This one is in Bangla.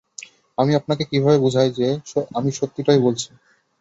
আমি আপনাকে কিভাবে বুঝাই যে আমি সত্যিটাই বলছি।